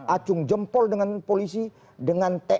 acung jempol dengan polisi dengan tni